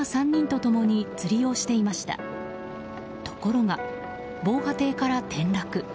ところが、防波堤から転落。